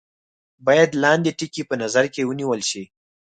باید لاندې ټکي په نظر کې ونیول شي.